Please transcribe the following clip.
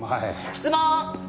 質問！